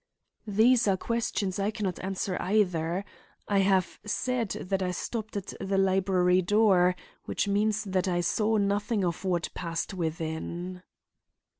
"These are questions I can not answer either. I have said that I stopped at the library door, which means that I saw nothing of what passed within."